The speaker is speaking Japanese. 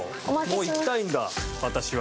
もう行きたいんだ私は。